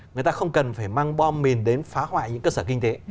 người ta không cần phải mang bom mìn đến phá hoại những cơ sở kinh tế